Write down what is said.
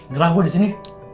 gerah gue di sini